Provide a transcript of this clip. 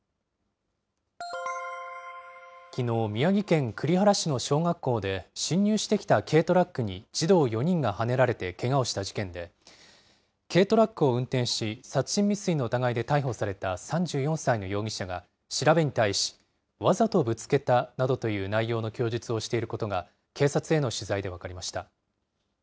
きのう、宮城県栗原市の小学校で、侵入してきた軽トラックに児童４人がはねられてけがをした事件で、軽トラックを運転し、殺人未遂の疑いで逮捕された３４歳の容疑者が、調べに対し、わざとぶつけたなどという内容の供述をしていることが警察への取材で分かりました。